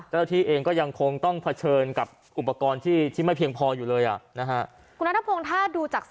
เจ้าหน้าที่เองก็ยังคงต้องเผชิญกับอุปกรณ์ที่ไม่เพียงพออยู่เลยอ่ะนะฮะ